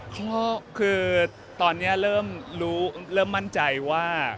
เพราะคือตอนนี้เริ่มรู้เริ่มมั่นใจว่า